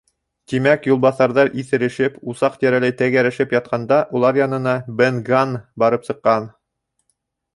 Тимәк, юлбаҫарҙар иҫерешеп усаҡ тирәләй тәгәрәшеп ятҡанда улар янына Бен Ганн барып сыҡҡан.